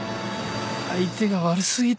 「相手が悪すぎた」